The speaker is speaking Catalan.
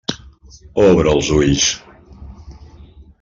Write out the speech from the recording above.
Obre els ulls.